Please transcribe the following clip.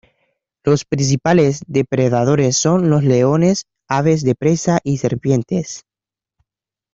Los principales depredadores son los leones, aves de presa y serpientes.